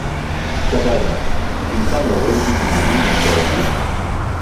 חדל נא. הנך מעורר בי דימויים מסואבים.